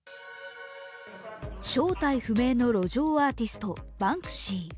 正体不明の路上アーティスト、バンクシー。